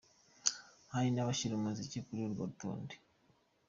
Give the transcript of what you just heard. Hari n’abashyira Umuziki kuri urwo rutonde.